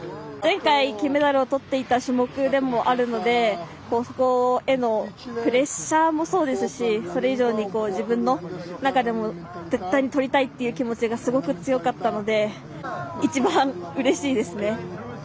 前回、金メダルを取っていた種目でもあるのでここへのプレッシャーもそうですしそれ以上に自分の中でも絶対に取りたいという気持ちがすごく強かったので一番うれしいですね。